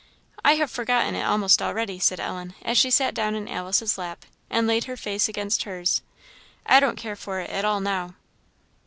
"I have forgotten it almost already," said Ellen, as she sat down in Alice's lap, and laid her face against hers; "I don't care for it at all now."